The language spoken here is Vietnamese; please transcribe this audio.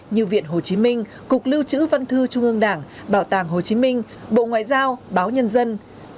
như viện hồ chí minh cục lưu trữ văn thư trung ương đảng bảo tàng hồ chí minh bộ ngoại giao báo nhân dân